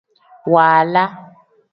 Waala.